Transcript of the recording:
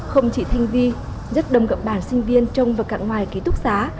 không chỉ thanh vi rất đông gặp bản sinh viên trong và cạnh ngoài ký túc xá